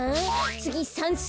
つぎさんすう！